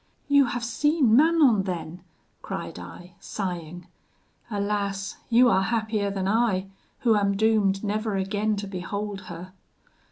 "'You have seen Manon then!' cried I, sighing. 'Alas! you are happier than I, who am doomed never again to behold her.'